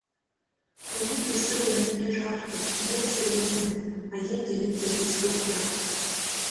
Вони просили не для жарту, діло серйозне, а їм дають якесь хлоп'я.